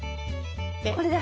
これだ。